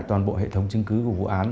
toàn bộ hệ thống chứng cứ của vụ án